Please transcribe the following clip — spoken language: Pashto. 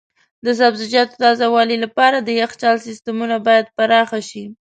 د سبزیجاتو تازه والي لپاره د یخچال سیستمونه باید پراخ شي.